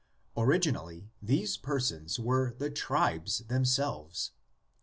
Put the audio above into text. Originally these persons were the tribes them selves.